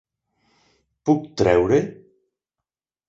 Puc treure??